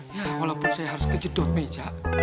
ya walaupun saya harus kejedot meja